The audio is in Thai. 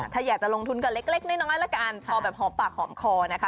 ถ้าอยากจะลงทุนก็เล็กน้อยละกันพอแบบหอมปากหอมคอนะคะ